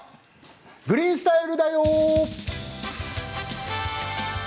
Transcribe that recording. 「グリーンスタイル」だよ。